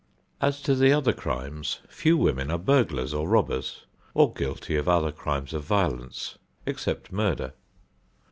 As to the other crimes, few women are burglars or robbers, or guilty of other crimes of violence, except murder.